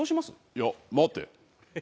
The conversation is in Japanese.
いや待て。